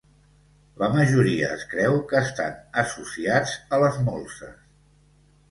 La majoria es creu que estan associats a les molses.